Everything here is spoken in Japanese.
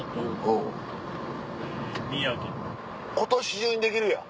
今年中にできるやん。